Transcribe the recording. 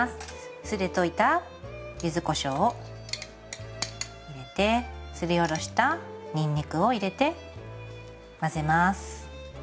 酢で溶いた柚子こしょうを入れてすりおろしたにんにくを入れて混ぜます。